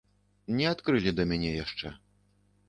Не адкрылі да мяне яшчэ.